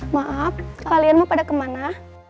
maaf kalian mau pada kemana